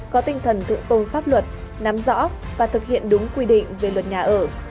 có tinh thần thượng tôn pháp luật nắm rõ và thực hiện đúng quy định về luật nhà ở